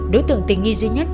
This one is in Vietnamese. đối tượng tình nghi duy nhất